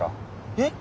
えっ？